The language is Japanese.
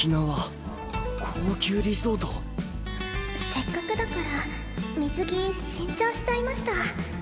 せっかくだから水着新調しちゃいました。